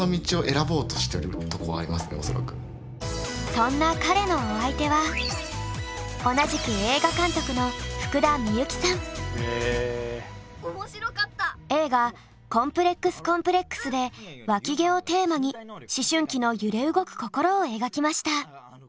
そんな彼のお相手は同じく映画「こんぷれっくす×コンプレックス」でわき毛をテーマに思春期の揺れ動く心を描きました。